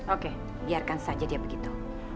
oke biarkan saja dia begitu